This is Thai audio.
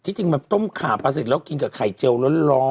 ที่จริงว่าพี่นายต้มขาปลาสะริชแล้วกินกับไข่เจียวแล้วร้อง